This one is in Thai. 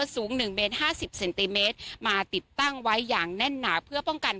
สูงหนึ่งเมลต์ห้าสิบเซนติเมตรมาติดตั้งไว้อย่างแน่นหนา